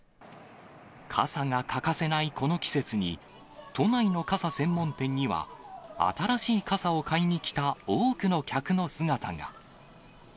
傘が欠かせないこの季節に、都内の傘専門店には、新しい傘を買いに来た多くの客の姿が。